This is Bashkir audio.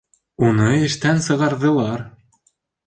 Уны эштән сығарҙылар